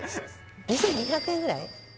２２００円ぐらい？